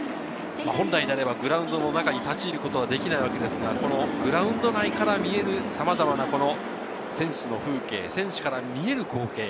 本来であればグラウンドの中に立ち入ることができないわけですが、グラウンド内から見えるさまざまな選手の風景、選手から見える光景。